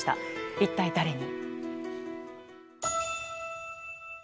一体誰に？